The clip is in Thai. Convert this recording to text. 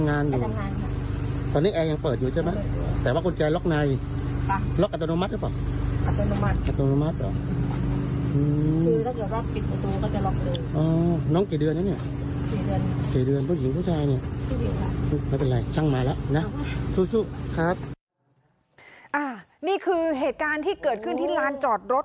นี่คือเหตุการณ์ที่เกิดขึ้นที่ลานจอดรถ